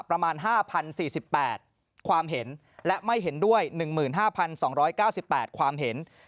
ประมาณ๕๐๔๘ความเห็นและไม่เห็นด้วย๑๕๒๙๘ความเห็น